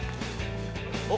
おっ？